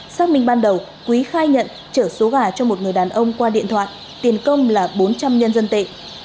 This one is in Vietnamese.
xác minh ban đầu quý khai nhận chở số gà cho một người đàn ông qua điện thoại tiền công là bốn trăm linh nhân dân tệ